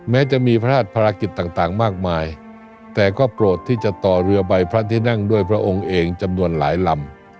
แม้จะมีพระราชภารกิจต่างมากมายแต่ก็โปรดที่จะต่อเรือใบพระที่นั่งด้วยพระองค์เองจำนวนหลายลำ